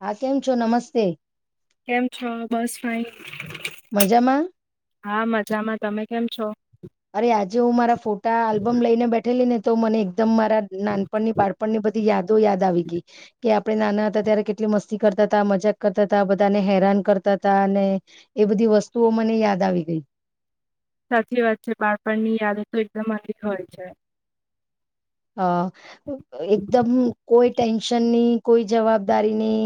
હા કેમ છો, નમસ્તે. કેમ છો, બસ ફાઈન. મજામાં હા મજામાં તમે કેમ છો, અરે આજે હું મારા ફોટા આલ્બમ લઈને બેઠેલી ને તો મને એકદમ મારા નાનપણની બાળપણ ની બધી યાદો યાદ આવી ગઈ કે આ આપણે નાના હતા, ત્યારે કેટલી મસ્તી કરતા ત મજાક કરતા હતા, બધાને હેરાન કરતા હતા, ને એ બધી વસ્તુઓ મને યાદ આવી ગઈ. સાચી વાત છે, બાળપણ ની યાદ તો એકદમ [unintelligible] છે. અ એકદમ કોઈ ટેન્શનની કોઈ જવાબદારી ની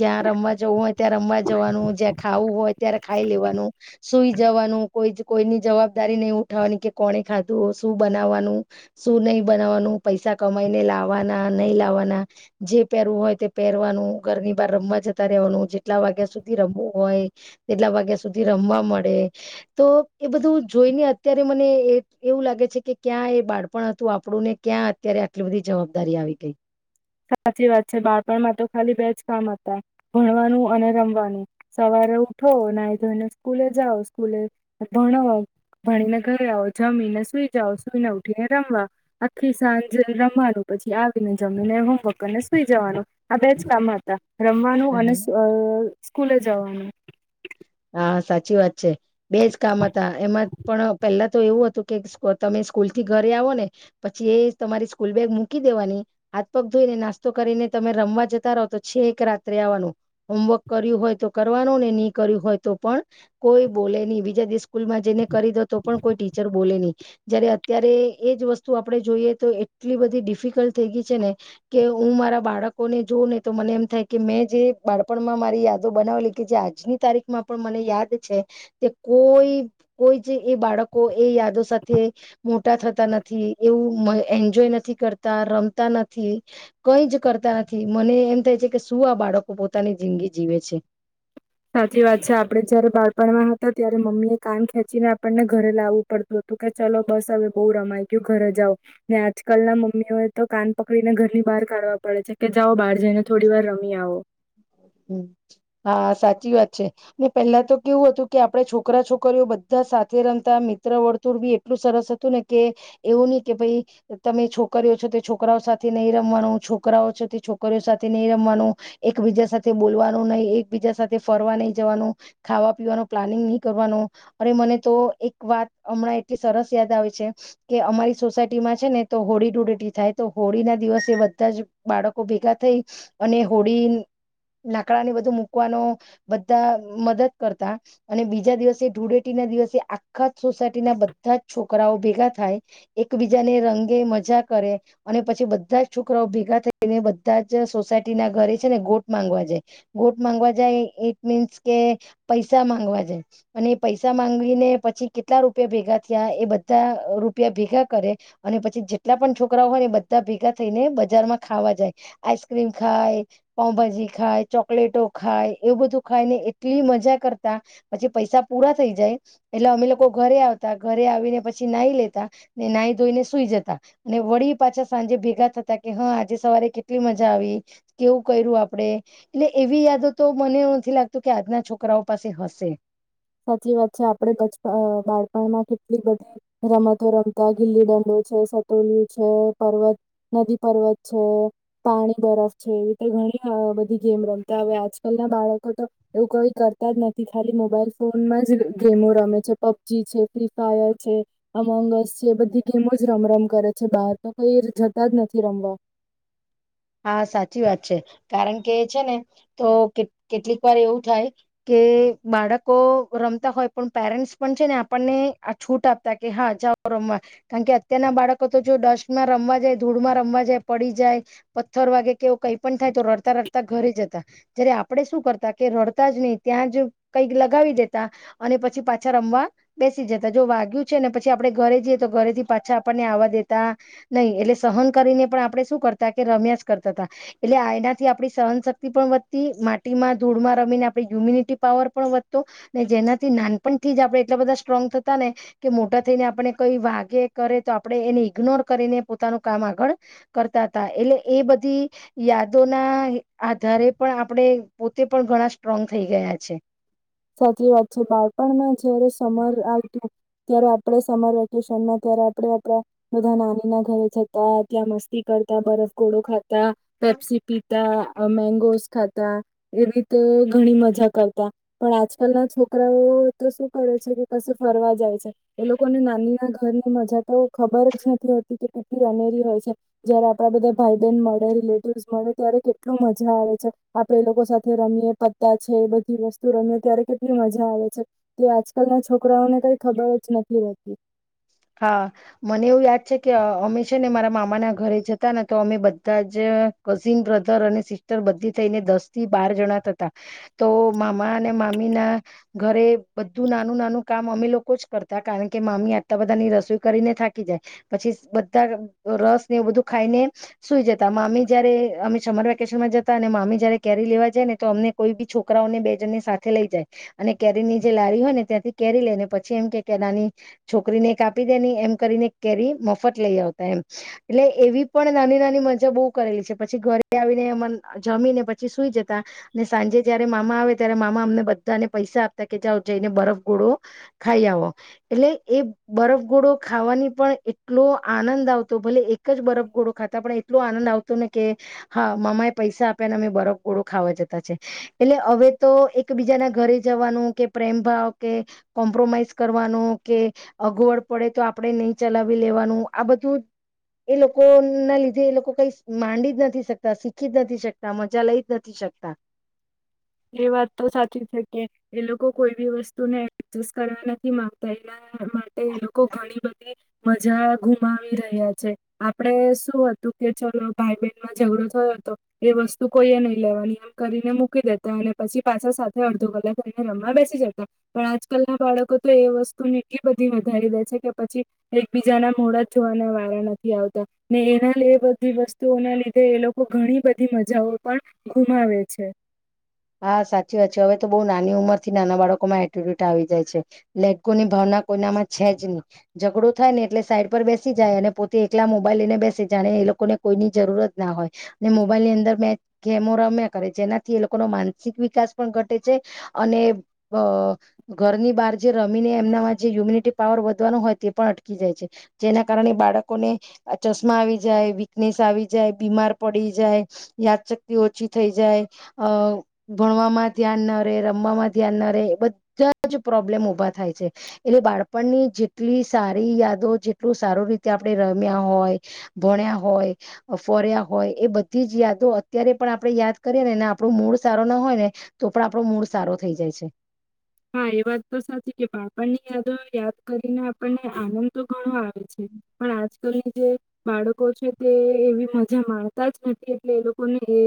જ્યાં રમવા જવું હોય, ત્યાં રમવા જવાનું જ્યાં ખાવું હોય ત્યારે ખાઈ લેવાનું, સુઈ જવાનું કોઈ જ કોઈની જવાબદારી નહી, ઉઠાવવાની કે કોને ખાધું, શું બનાવવાનું શું નહી બનાવવાનું પૈસા કમાઈને લાવવાના નહી લાવવાના જે પહેરવું હોય તે પહેરવાનું, ઘરની બહાર રમવા જતા રહેવાનું જેટલા વાગ્યા સુધી રમવું હોય તેટલા વાગ્યા સુધી રમવા મળે. તો એ બધું જોઈને અત્યારે મને એ એવું લાગે છે કે ક્યાં એ બાળપણ હતું આપડું ને ક્યાં અત્યારે આટલી બધી જવાબદારી આવી ગઈ. સાચી વાત છે. બાળપણમાં તો ખાલી બે જ કામ હતા, ભણવાનું અને રમવાનું. સવારે ઉઠો, નાઈ-ધોઈને સ્કૂલે જાઓ, સ્કૂલે ભણો, ભણીને ઘરે આવો, જમીને સુઈ જાઓ, સુઈને ઉઠીને રમવા, આખી સાંજે રમવાનું પછી આવીને જમીને હું વર્ક કરીને સૂઈ જવાનું, આ બેજ કામ હતા. રમવાનું અને હા અહ સ્કૂલે જવાનું. હા સાચી વાત. બેજ કામ હતા એમાં પણ પેલા તો એવું હતું કે સ તમે સ્કૂલ થી ઘરે આવો ને પછી એ તમારી સ્કૂલ બેગ મૂકી દેવાની, હાથ પગ ધોઈને નાસ્તો કરીને તમે રમવા જતા રહો તો છે છેક રાત્રે આવવાનું, હોમવર્ક કર્યું હોય તો કરવાનું ને ની કર્યું હોય તો પણ કોઈ બોલે નહીં બીજા દિવસ સ્કૂલમાં જઈને કરી દો તો પણ કોઈ ટીચર બોલે નહી. જયારે અત્યારે એજ વસ્તુ આપણે જોઈએ તો એટલી બધી ડિફિકલ્ટ થઈ ગઈ છે ને કે હું મારા બાળકોને જોઉં ને તો મને એમ થાય કે મેં જે બાળપણમાં મારી યાદો બનાવેલી કે જે આજની તારીખ માં પણ મને યાદ છે કે કોઈ કોઈ જ એ બાળકો એ યાદો સાથે મોટા થતા નથી, એવું એન્જોય નથી કરતા, રમતા નથી, કંઈ જ કરતા નથી, મને એમ થાય છે કે શું આ બાળકો પોતાની જિંદગી જીવે છે. સાચી વાત છે આપણે જયારે બાળપણમાં હતા ત્યારે ને મમ્મી કાન ખેંચી ને આપણને ઘરે લાવવું પડતું હતું કે ચલો બસ હવે બહું રમાઈ ગયું ઘરે જાઓ, ને આજકાલ ના મમ્મીઓ એ તો કાન પકડીને ઘર ની બહાર કાઢવા પડે છે કે જાઓ બહાર જઈને થોડી વાર રમી આવો. હમ હા સાચી વાત છે, ને પહેલા તો કેવું હતું કે આપણે છોકરા છોકરીઓ બધા સાથે રમતા મિત્ર વર્તુળ બી એટલું સરસ હતું ને કે એવું નહી કે ભાઈ તમે છોકરીઓ છો તો છોકરાઓ સાથે નહીં રમવાનું છોકરાઓ છો છોકરીઓ સાથે નહી રમવાનું, એકબીજા સાથે બોલવાનું નહીં, એકબીજા સાથે ફરવા નહીં જવાનું, ખાવા પીવાનું પ્લાનિંગ નહીં કરવાનું, અરે મને તો એક વાત હમણાં એટલી સરસ યાદ આવે છે કે અમારી સોસાયટીમાં છે ને તો હોળી ધુળેટી થાય તો હોળી ના દિવસે બધા જ બાળક ભેગા થઈ અને હોળી લાકડાને બધું મૂકવાનો બધા મદદ કરતા અને બીજા દિવસે ધૂળેટી ના દિવસે આખા જ સોસાયટી ના બધા જ છોકરાઓ ભેગા થાય, એકબીજાને રંગે મજા કરે અને પછી બધા જ છોકરાઓ ભેગા થય ને બધા જ સોસાયટી ના ઘરે છે ને ગોટ માંગવા જાય, ગોટ માંગવા જાય ઈ ઇટ મીન્સ કે પૈસા માંગવા જાય અને પૈસા માંગીને પછી કેટલા રૂપિયા ભેગા થયા એ બધા રૂપિયા ભેગા કરે અને પછી જેટલા પણ છોકરાઓ હોય ને એ બધા ભેગા થઈને બજારમાં ખાવા જાય. આઈસ્ક્રીમ ખાય, પાઉંભાજી ખાય, ચોકલેટો ખાય એવું બધું ખાયને એટલી મજા કરતા પછી પૈસા પૂરા થઈ જાય એટલે અમે લોકો ઘરે આવતા, ઘરે આવીને પછી નાહી લેતા, ને નાહી ધોઈને સુઈ જતા અને વળી પાછા સાંજે ભેગા થતા કે હા આજે સવારે કેટલી મજા આવી, કેવું કર્યું આપડે એટલે એવી યાદો તો મને એવું નથી લાગતું કે આજના છોકરાઓ પાસે હશે. સાચી વાત છે આપણે બચ અહ બાળપણમાં કેટલી બધી રમતો રમતા ગીલી ડંડો છે, સતોલિયું છે, પર્વત નદી પર્વત છે, પાણી બરફ છે, એવી તો ઘણી બધી ગેમ રમતા હવે આજકાલ ના બાળકો તો એવું કઈ કરતા જ નથી, ખાલી મોબાઈલ ફોનમાં જ ગેમો રમે છે. પબજી છે, ફ્રી ફાયર છે, અમંગસ છે, બધી ગેમો જ રમ-રમ કરે છે બહાર તો કંઈ જતા જ નથી રમવા. હા સાચી વાત છે કારણ કે છે ને તો કેક કેટલીક વાર એવું થાય કે બાળકો રમતા હોય પણ પેરેન્ટ્સ પણ છે ને આપણને આ છૂટ આપતા કે હા જાઓ રમવા કારણ કે અત્યારના બાળકો તો જો ડસ્ટમાં રમવા જાય, ધૂળમાં રમવા જાય પડી જાય પથ્થર વાગે કે એવું કાંઈ પણ થાય તો રડતા રડતા ઘરે જતા, જ્યારે આપણે શું કરતા કે રડતાં જ નહી ત્યાં જ કંઈક લગાવી દેતા અને પછી પાછા રમવા બેસી જતા જો વાગ્યું છે ને પછી આપણે ઘરે જઈએ તો ઘરેથી પાછા આપણને આવવા દેતા નહીં એટલે સહન કરીને પણ આપણે શું કરતા કે રમ્યા જ કરતા તા, એટલે એનાથી આપણી સહનશક્તિ પણ વધતી, માટીમાં ધૂળમાં રમીને આપણી યુમ્યુનિટી પાવર પણ વધતું ને જેનાથી નાનપણથી જ આપણે એટલા બધા સ્ટ્રોંગ થતા ને કે મોટા થઈને આપણે કંઈ વાગે કરે તો આપણે એને ઈગ્નોર કરીને પોતાનું કામ આગળ કરતા. તા એટલે એ બધી યાદોના આધારે પણ આપણેે પોતે પણ ઘણા સ્ટ્રોંગ થઈ ગયા છે. સાચી વાત છે. બાળપણમાં જયારે સમર આવતું ત્યારે આપણે સમર વેકેશનમાં ત્યારે આપણેે આપણા બધા નાનીના ઘરે જતા, ત્યાં મસ્તી કરતા, બરફ ગોળો ખાતા તા હ પેપસી પી તા, અહ મેગોસ ખાતા એવી તો ઘણી મજા કરતા. પણ આજકાલના છોકરાઓ તો શું કરે છે કે કશે ફરવા જાય છે એ લોકોને નાનીના ઘરની મજા તો ખબર જ નથી હોતી કે કેટલી અનેરી હોય છે, જયારે આપણાં બધા ભાઈ બહેન મળે, રિલેટિવ્સ મળે ત્યારે કેટલું મજા આવે છે, આપણે એ લોકો સાથે રમીએ પત્તા છે એ બધી વસ્તુ એ રમીએ ત્યારે કેટલી મજા આવે છે, તે આજકાલના છોકરાઓને કંઈ ખબર જ નથી રહેતી. હા મને એવું યાદ છે કે અહ અમે છે ને અમારા મામાના ઘરે જતા ને તો અમે બધા જ કઝિન બ્રધર અને સિસ્ટર બધી થઈને દસ થી બાર જણા થતા. તો મામા અને મામી ના ઘરે બધું નાનું નાનું કામ અમે લોકો જ કરતા તા કારણ કે મામી આટલા બધાની રસોઈ કરીને થાકી જાય, પછી બધા રસ ને એવું બધું ખાઈને સુઈ જતા. મામી જયારે અમે સમર વેકેશનમાં જતા અને મામી જયારે કેરી લેવા જાય ને તો અમને કોઈ બી છોકરાઓને બે જણને સાથે લઈ જાય અને કેરીની જે લારી હોયને ત્યાંથી કેરી લઈ લે પછી એમ કહે કે નાની છોકરીને એક દે ને એમ કરીને એક કેરી મફત લઈ આવતા એમ. એટલે એવી પણ નાની નાની મજા બહુ કરેલી છે, પછી ઘરે આવીને અમન જમીને પછી સુઈ જતા અને સાંજે જયારે મામા આવે ત્યારે મામા અમને બધાને પૈસા આપતા કે જાઓ જઈને બરફ ગોળો ખાઈ આવો. એટલે એ બરફ ગોળો ખાવાની પણ એટલો આનંદ આવતો ભલે એક જ બરફ ગોળો ખાતા પણ એટલો આનંદ આવતો ને કે હા મામાએ પૈસા આપ્યાને અમે બરફ ગોળો ખાવા જતા છે. એટલે હવે તો એકબીજાના ઘરે જવાનું કે પ્રેમ ભાવ કે કોમ્પ્રોમાઈઝ કરવાનું કે અગવડ પડે તો આપણે નહીં ચલાવી લેવાનું આ બધું એ લોકોના લીધે એ લોકો કંઈ માંડી જ નથી શકતા, શીખી જ નથી શકતા, મજા લઈ જ નથી શકતા. એ વાત તો સાચી છે કે એ લોકો કોઈ બી વસ્તુ ને એડજસ્ટ કરવા નથી માંગતા એના માટે એ લોકો ઘણી બધી મજા ગુમાવી રહ્યા છે. આપણે શું હતું કે ચલો ભાઈ બહેન માં ઝઘડો થયો તો એ વસ્તુ કોઈએ નહીં લેવાની એમ કરીને મૂકી દે અને પછી પાછા સાથે અડધો કલાક રઈને રમવા બેસી જતા, પણ આજકાલના બાળકો તો એ વસ્તુને એટલી બધી વધારી દે છે કે પછી એકબીજાના મોઢાં જોવાના વારા નથી આવતા, ને એના લે બધી વસ્તુઓના લીધે એ લોકો ઘણી બધી મજાઓ પણ ગુમાવે છે. હા સાચી વાત છે. હવે તો બહુ નાની ઉંમર થી નાના બાળકોમાં એટીટ્યુટ આવી જાય છે. લેટગોની ભાવના કોઈનામાં છે જ નહીં. ઝઘડો થાય ને એટલે સાઈડ પર બેસી જાય અને પોતે એકલા મોબાઈલ લઈને બેસી જાય. જાણે એ લોકોને કોઈની જરૂરત ના હોય, ને મોબાઈલ ની અંદર બે ગેમો રમ્યા કરે જેનાથી એ લોક થોડો માનસિક વિકાસ પણ ઘટે છે અને અ ઘરની બાર જે રમીને એમનામાં જે યુમ્યુનિટી પાવર વધવાનો હોય તે પણ અટકી જાય છે. જેના કારણે બાળકોને ચશ્મા આવી જાય, વીકનેસ આવી જાય, બીમાર પડી જાય, યાદશક્તિ ઓછી થઈ જાય અ ભણવામાં ધ્યાન ન રે, રમવામાં ધ્યાન ન રે, બધા પછી પ્રોબ્લેમ ઊભા થાય છે. એટલે બાળપણની જેટલી સારી યાદો જેટલું સારું રીતે આપણે રમ્યા હોય, ભણ્યા હોય, ફર્યા હોય એ બધી જ યાદો અત્યારે પણ આપણે યાદ કરીએ ને એના આપડો મૂડ સારો ના હોય ને તો પણ આપણો મૂડ સારો થઈ જાય છે. હા એ વાત તો સાચી કે બાણપણની યાદો યાદ કરીને આપણને આનંદ તો ઘણો આવે પણ આજ એ લોકો જે બાળકો છે તે એવી મજા માણતા જ નથી એટલે એ લોકોને એ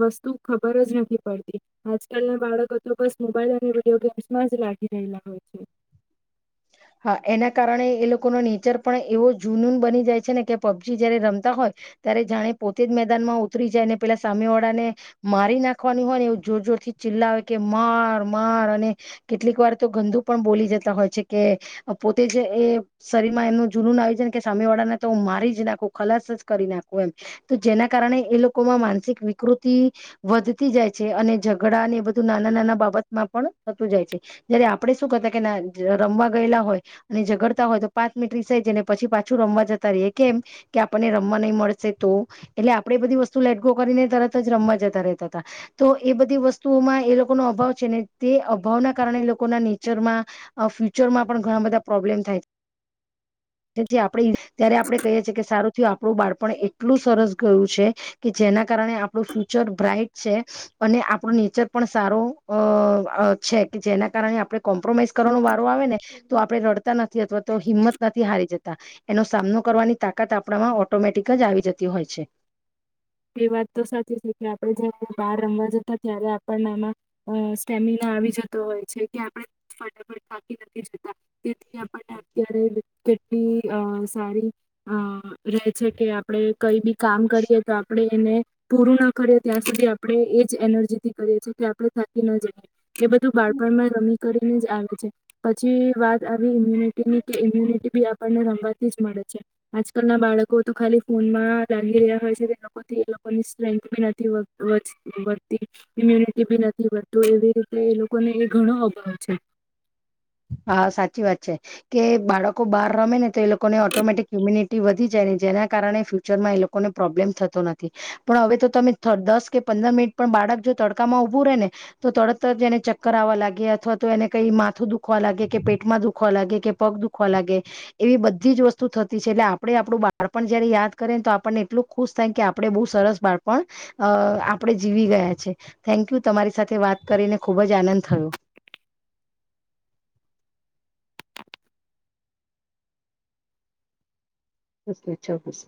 વસ્તુ ખબર જ નથી પડતી. આજકાલ ના બાળકો તો બસ મોબાઈલ અને [inaudible] હા એના કારણે એ લોકોનો નેચર પણ એવો જુનૂન બની જાય છે ને કે પબજી જયારે રમતા હોય ત્યારે જાણે પોતે જ મેદાનમાં ઉતરી જાય ને પેલા સામે વાળાને મારી નાખવાની હોય ને એવું જોર જોર થી ચિલ્લા કે માર માર અને કેટલીક વાર તો ગંદુ પણ બોલી જતા હોય છે કે પોતે જ એ શરીરમાં એમનું જુનન આવી છે કે સામે વાળાને તો મારી જ નાખું, ખલાસ જ કરી નાખું એમ. તો જેના કારણે એ લોકોમાં માનસિક વિકૃતિ વધતી જાય છે અને ઝઘડા ને એ બધું નાના નાના બાબતમાં પણ થતું જાય છે. જયારે આપડે શું કરતા કે રમવા ગયલા હોય અને ઝગડતા હોય તો પાંચ મિનિટ રિસાઈ જાય ને પછી પાછું રમવા જતા રયએ કેમ કે આપણને રમવા નહીં મળશે તો એટલે આપણેે એ બધી વસ્તુ લેટગો કરીને તરત જ રમવા જતા રહેતા હતા તો એ બધી વસ્તુઓમાં એ લોકોનો અભાવ છે ને તે અભાવના કારણે લોકોના નેચરમાં ફ્ય ફ્યુચરમાં પણ ઘણા બધા પ્રોબ્લેમ થાય જેથી આપણે ત્યારે આપણે કહીએ છીએ કે સારું થીયુ આપણું બાળપણ એટલું સરસ ગયું છે કે જેના કારણે આપણું ફ્યુચર બ્રાાઈટ છે અને આપણું નેચર પણ સારો અ છે કે જેના કારણે આપણે કોમ્પ્રોમાઈઝ કરવાનો વા તો આવેને તો આપણે રડતા નથી અથવા તો હિંમત નથી હારી જતા એનો સામનો કરવાની તાકાત આપણામાં ઓટોમેટિક જ આવી જતી હોય છે. એ વાત તો સાચી છે કે આપણે જયારે બહાર રમવા જતા ત્યારે આપણનામાં સ્ટેમિના આવી જતો હોય છે કે આપણે ફટાફટ થાકી નથી જતા. તેથી આપણને અત્યારે કેટલી અ સારી અ રે છે કે આપડ કઈ બી કામ કરીએ આપણે એને પૂરું ના કરીએ ત્યાં સુધી આપણે એજ એનર્જી થી કરીએ છીએ કે આપણે થાકી ન જઈ કે બધું બાળપણમાં રમી કરીને જ આવે છે પછી વાત ઈમ્યુનિટીની કે ઈમ્યુનિટી બી આપ આપણને રમવાથી જ મળે છે આજકાલ ના બાળકો તો ખાલી ફોનમાં લાગી રહ્યા હોય છે કે એ લોકોથી એ લોકોની સ્ટ્રેન્થ બી નથી વધ વધતી વધતી ઇમ્યુનિટી બી નથી વધતું એવી રીતે એ લોકોને એ ઘણો અભાવ છે. હા સાચી વાત છે કે બાળકો બહાર રમે ને તો એ લોકોને ઓટોમેટિક ઇમ્યુનિટી વધી જાય ને જેના કારણે ફ્યુચરમાં એ લોકોને પ્રોબ્લેમ થતો નથી પણ હવે તો તમે દસ કે પંદર મિનિટ પણ બાળક જો તડકામાં ઊભું રહે ને તો તરતજ એને ચક્કર આવવા લાગે અથવા તો એને કંઈ માથું દુખ દુખવા લાગે કે પેટમાં દુખવા લાગે કે પગ દુખવા લાગે એવી બધી જ વસ્તુ થતી છે એટલે આપણે આપણું બાળપણ જયારે યાદ કરેને તો આપણને એટલું ખુશ થાય કે આપણે બહુ સરસ બાળપણ અ આપણે જીવી ગયા છે થેન્કયુ તમારી સાથે વાત કરીને ખુબ જ આનંદ થયો. ઉસકે ચાકુ સે